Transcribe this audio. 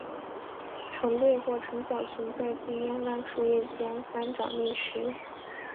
成对或成小群在地面烂树叶间翻找觅食。